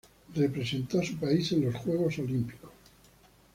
Represento a su país en los Juegos Olímpicos.